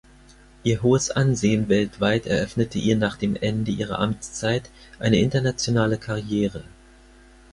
Ihr hohes Ansehen weltweit eröffnete ihr nach dem Ende ihrer Amtszeit eine internationale Karriere.